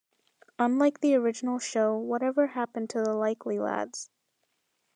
Unlike the original show, Whatever Happened to the Likely Lads?